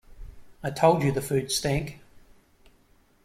I told you the food stank.